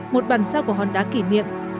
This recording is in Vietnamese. một bàn sao của hòn đá kỷ niệm